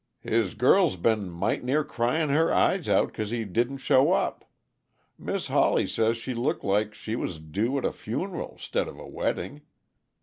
"His girl's been might' near crying her eyes out, 'cause he didn't show up. Mis' Hawley says she looked like she was due at a funeral 'stid of a weddin'.